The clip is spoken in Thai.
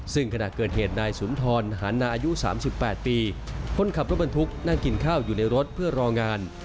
ซึ่งขณะเกิดเหตุนายสุนทรหารนาอายุ๓๘ปีคนขับรถบรรทุกนั่งกินข้าวอยู่ในรถเพื่อรองาน